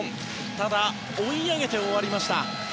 ただ、追い上げて終わりました。